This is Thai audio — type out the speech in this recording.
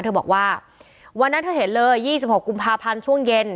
เธอบอกว่าวันนั้นเธอเห็นเลย๒๖กุมภาพันธ์ช่วงเย็น